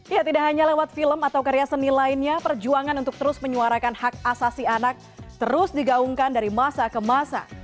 ya tidak hanya lewat film atau karya seni lainnya perjuangan untuk terus menyuarakan hak asasi anak terus digaungkan dari masa ke masa